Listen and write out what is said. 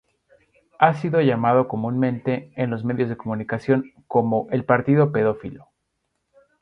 Ha sido llamado comúnmente en los medios de comunicación como el "partido pedófilo".